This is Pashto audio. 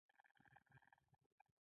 په دې لحاظ دوی هېڅ توپیر سره نه لري.